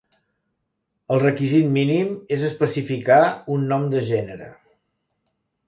El requisit mínim és especificar un nom de gènere.